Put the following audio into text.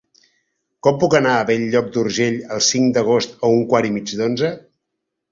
Com puc anar a Bell-lloc d'Urgell el cinc d'agost a un quart i mig d'onze?